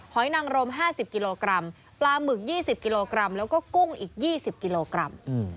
นังรม๕๐กิโลกรัมปลาหมึก๒๐กิโลกรัมแล้วก็กุ้งอีก๒๐กิโลกรัม